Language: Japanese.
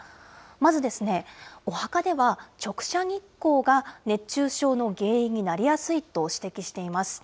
まずお墓では、直射日光が熱中症の原因になりやすいと指摘しています。